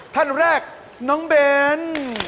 ท่านแรกน้องเบน